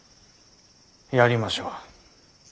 やりましょう。